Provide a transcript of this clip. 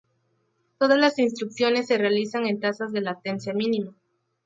Todas las instrucciones se realizan en tasas de latencia mínima.